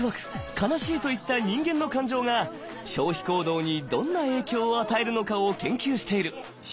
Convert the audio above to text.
「悲しい」といった人間の感情が消費行動にどんな影響を与えるのかを研究している。